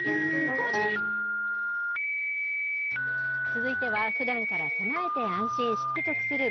続いては、ふだんから備えて安心、知って得する！